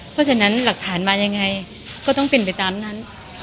เพราะฉะนั้นหลักฐานมายังไงก็ต้องเป็นไปตามนั้น